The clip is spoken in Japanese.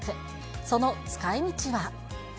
その使いみちは。